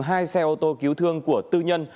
hai xe ô tô cứu thương của tư nhân